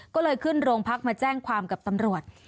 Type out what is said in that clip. ก็เลยขึ้นโรงพักมาแจ้งความกับตำรวจ